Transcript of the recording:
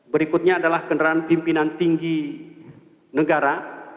berikutnya adalah kendaraan pimpinan tinggi negara